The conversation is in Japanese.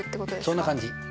そんな感じ。